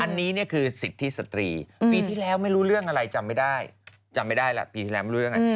อันนี้เนี่ยคือสิทธิสตรีปีที่แล้วไม่รู้เรื่องอะไรจำไม่ได้จำไม่ได้แหละปีที่แล้วไม่รู้ยังไง